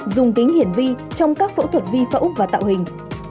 dùng kính hiển vi trong các phẫu thuật vi phẫu và tạo hình